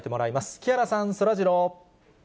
木原さん、そらジロー。